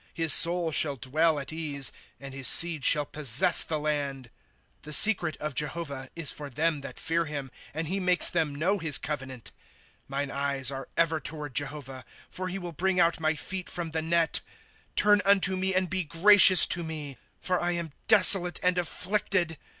" His soul shall dwell at ease. And his seed shall possess the land. '* The secret of Jehovah is for them that fear him. And he makes them know his covenant. ^^ Mine eyes are ever toward Jehovah ; For he will bring out my feet from the net. ^^ Turn unto me, and be gracious to me ; For I am desolate and afflicted.